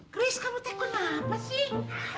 kris kamu teh kenapa sih